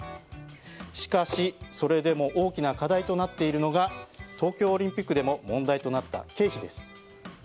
しかし、それでも大きな課題となっているのが東京オリンピックでも問題となった経費です。